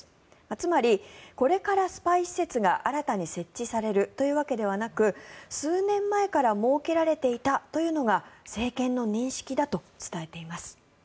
つまり、これからスパイ施設が新たに設置されるというわけではなく数年前から設けられていたというのが政権の認識だと伝えています。